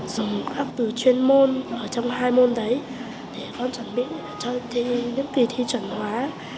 dùng khắc từ chuyên môn trong hai môn đấy để con chuẩn bị cho những kỳ thi chuẩn hóa